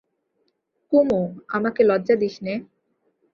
কুমু, আমাকে লজ্জা দিস নে।